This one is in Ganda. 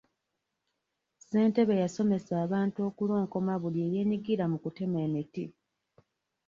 Ssentebe yasomesa abantu okulonkoma buli eyeenyigira mu kutema emiti.